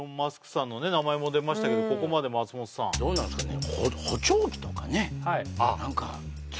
さんの名前も出ましたけどここまで松本さんどうなんですかね